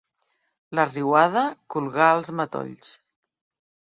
La riuada colgà els matolls.